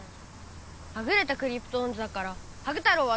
はぐれたクリプトオンズだからハグ太郎はどう？